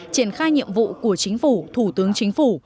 triển khai nhiệm vụ của chính phủ thủ tướng chính phủ